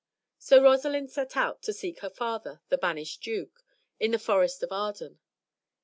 So Rosalind set out to seek her father, the banished duke, in the Forest of Arden.